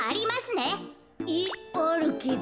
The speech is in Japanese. えっあるけど。